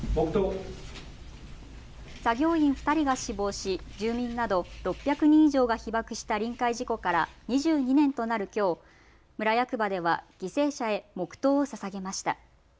作業員２人が死亡し住民など６００人以上が被ばくした臨界事故から２２年となるきょう、村役場では犠牲者へ黙とうをささげました。